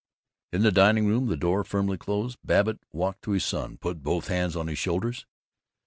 In the dining room, the door firmly closed, Babbitt walked to his son, put both hands on his shoulders.